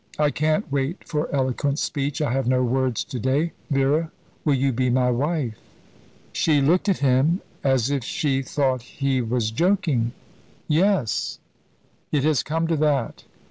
I can't wait for eloquent speech. I have no words to day. Vera, will you be my wife?" She looked at him as if she thought he was joking. "Yes, it has come to that.